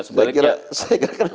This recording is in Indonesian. akuntabilitas dan lain lain